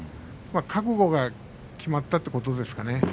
覚悟が決まったということですかね。